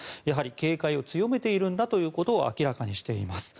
警戒を強めているんだということを明らかにしています。